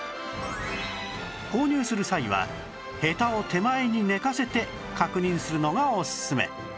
購入する際はヘタを手前に寝かせて確認するのがオススメ